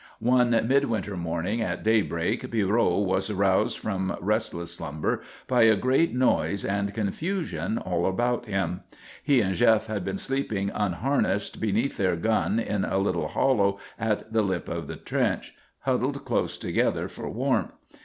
One midwinter morning at daybreak Pierrot was aroused from restless slumber by a great noise and confusion all about him. He and Jef had been sleeping unharnessed beneath their gun in a little hollow at the lip of the trench, huddled close together for warmth.